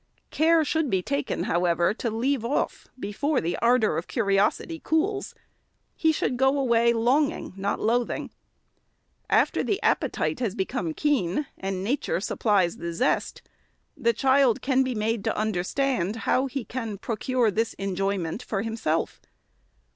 Care should be taken, however, to leave off before the ardor of curiosity cools. He should go away longing, not loathing. After the appetite has become keen, — and nature supplies the zest, — the child can be made to understand how he can procure this enjoyment for himself.